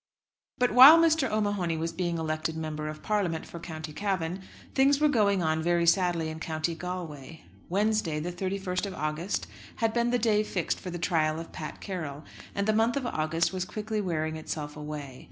But while Mr. O'Mahony was being elected Member of Parliament for County Cavan, things were going on very sadly in County Galway. Wednesday, the 31st of August, had been the day fixed for the trial of Pat Carroll; and the month of August was quickly wearing itself away.